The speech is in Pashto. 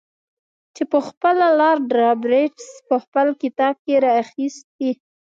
چې پخپله لارډ رابرټس په خپل کتاب کې را اخیستی.